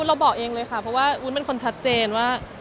เราบอกเองเลยค่ะเพราะว่าวุ้นเป็นคนชัดเจนว่า